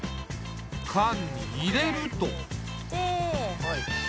缶に入れると。